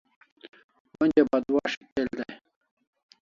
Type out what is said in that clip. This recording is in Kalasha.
Onja batwas'ik del dai